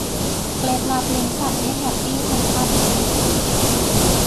เคล็ดลับเลี้ยงสัตว์ให้แฮปปี้ทั้งทาสทั้งเหมียว